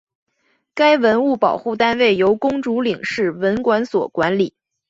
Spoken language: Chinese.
该文物保护单位由公主岭市文管所管理。